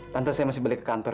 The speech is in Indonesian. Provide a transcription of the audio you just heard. tante saya masih beli ke kantor